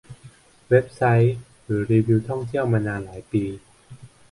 เว็บไซต์ หรือรีวิวท่องเที่ยวมานานหลายปี